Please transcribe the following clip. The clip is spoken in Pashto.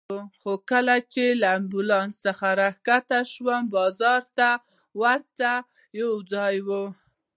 خو کله چې له امبولانس څخه راکښته شوم، بازار ته ورته یو ځای و.